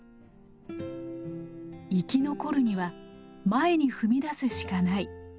「生き残るには前に踏み出すしかない」。